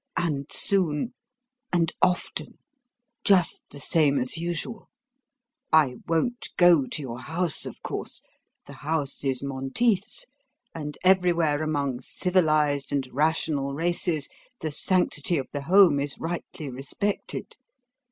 and soon... and often, just the same as usual. I won't go to your house, of course: the house is Monteith's; and everywhere among civilised and rational races the sanctity of the home is rightly respected.